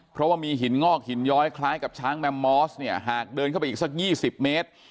เพราะว่ามีหินงอกหินย้อยคล้ายกับช้างแมมมอสเนี่ยหากเดินเข้าไปอีกสัก๒๐เมตร